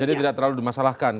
jadi tidak terlalu dimasalahkan